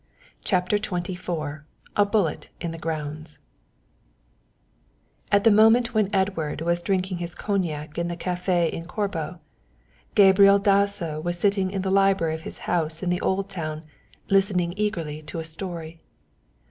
CHAPTER XXIV A BULLET IN THE GROUNDS At the moment when Edward was drinking his cognac in the café in Corbo, Gabriel Dasso was sitting in the library of his house in the old town listening eagerly to a story.